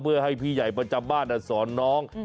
เพื่อให้พี่ใหญ่ประจำบ้านสอนน้อง